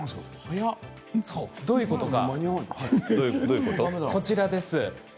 どういうことか、こちらです。